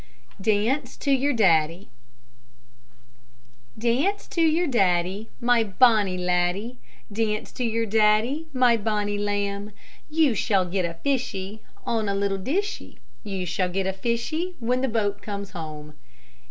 DANCE TO YOUR DADDIE Dance to your daddie, My bonnie laddie; Dance to your daddie, my bonnie lamb; You shall get a fishy, On a little dishy; You shall get a fishy, when the boat comes home.